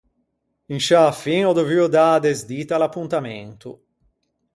In sciâ fin ò dovuo dâ a desdita à l’appontamento.